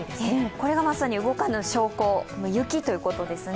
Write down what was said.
これがまさに動かぬ証拠、雪ということですね。